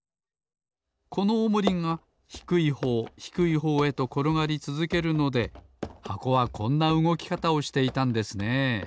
このおもりがひくいほうひくいほうへところがりつづけるので箱はこんなうごきかたをしていたんですねえ。